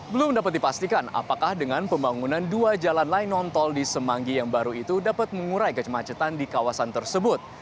belum dapat dipastikan apakah dengan pembangunan dua jalan layang nontol di semangi yang baru itu dapat mengurai kecemacetan di kawasan tersebut